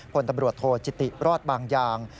พลตำรวจโทจิติรอดบางยาง